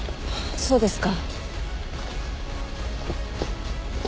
そうですか。